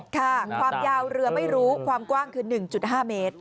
ความยาวเรือไม่รู้ความกว้างคือ๑๕เมตร